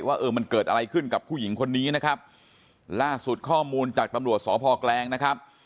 ว่าเออมันเกิดอะไรขึ้นกับผู้หญิงคนนี้นะครับล่าสุดข้อมูลจากตำรวจสพแกลงนะครับ